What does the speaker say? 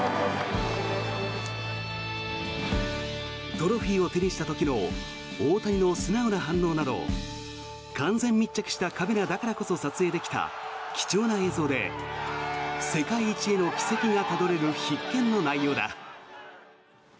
トロフィーを手にした時の大谷の素直な反応など完全密着したカメラだからこそ撮影できた貴重な映像で世界一への軌跡がたどれる必見の内容だ。